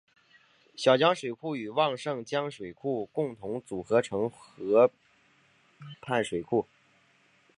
小江水库与旺盛江水库共同组成合浦水库。